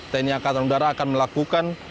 tni angkatan udara akan melakukan